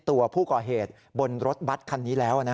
ตัวผู้ก่อเหตุบนรถบัตรคันนี้แล้ว